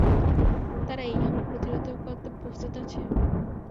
তারা এই হামলা প্রতিহত করতে প্রস্তুত আছে?